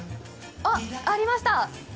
あっ！ありました。